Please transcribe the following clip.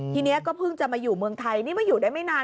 ทีนี้ก็เพิ่งจะมาอยู่เมืองไทยนี่มาอยู่ได้ไม่นาน